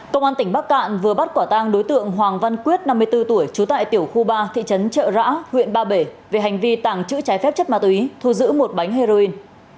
công an tỉnh bắc cạn vừa bắt quả tang đối tượng hoàng văn quyết năm mươi bốn tuổi trú tại tiểu khu ba thị trấn trợ rã huyện ba bể về hành vi tàng trữ trái phép chất ma túy thu giữ một bánh heroin